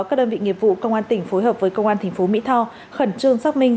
các đơn vị nghiệp vụ công an tỉnh phối hợp với công an thành phố mỹ tho khẩn trương xác minh